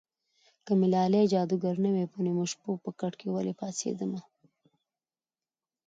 که مې لالی جادوګر نه وای په نیمو شپو به کټ کې ولې پاڅېدمه